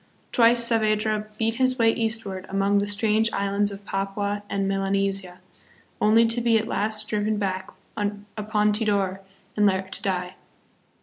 Twice Saavedra beat his way eastward among the strange islands of Papua and Melanesia, only to be at last driven back upon Tidor and there to die.